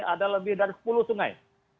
ada lebih dari sepuluh sungai